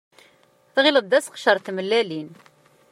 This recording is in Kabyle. Tɣileḍ d seqcer n tmellalin.